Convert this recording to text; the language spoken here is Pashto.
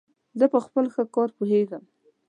زه په خپل کار ښه پوهیژم.